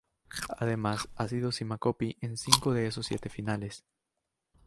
Además, ha sido Cima Coppi en cinco de esos siete finales.